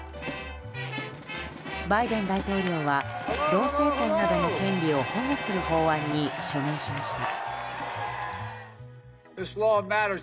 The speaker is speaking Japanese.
バイデン大統領は同性婚などの権利を保護する法案に署名しました。